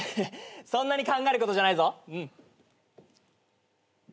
そんなに考えることじゃないぞ。